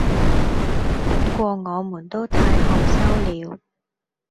不過我們都太害羞了